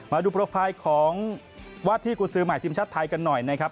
มาดูโปรไฟล์ของวาดที่กุศือใหม่ทีมชาติไทยกันหน่อยนะครับ